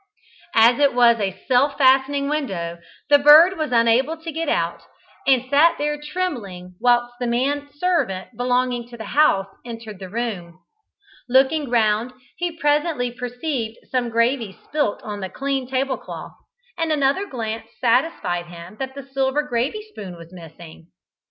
As it was a self fastening window, the bird was unable to get out, and sat there trembling whilst the man servant belonging to the house entered the room. Looking round, he presently perceived some gravy spilt on the clean table cloth, and another glance satisfied him that the silver gravy spoon was missing.